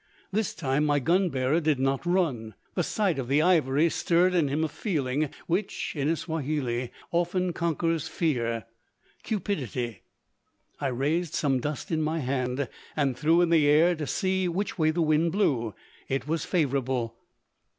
This time my gun bearer did not run. The sight of the ivory stirred in him a feeling, which, in a Swahili, often conquers fear cupidity. I raised some dust in my hand and threw it in the air, to see which way the wind blew. It was favorable.